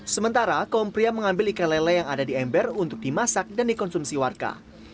sementara kaum pria mengambil ikan lele yang ada di ember untuk dimasak dan dikonsumsi warga